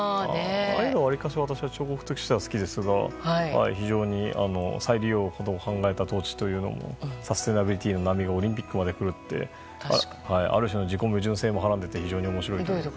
わりかし、私はああいうの彫刻としては好きですが非常に再利用のことを考えたトーチというのもサステナビリティーの波がオリンピックまで来るってある種の自己矛盾性まではらんでいて、面白い。